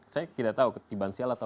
saya tidak tahu ketiban siapa